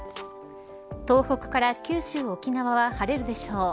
東北から九州、沖縄は晴れるでしょう。